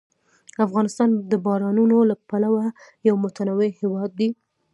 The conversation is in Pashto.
افغانستان د بارانونو له پلوه یو متنوع هېواد دی.